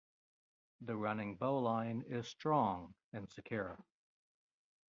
The running bowline is strong and secure.